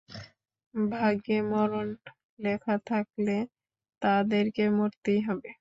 ভাগ্যে মরণ লেখা থাকলে, তাদেরকে মরতেই হবে।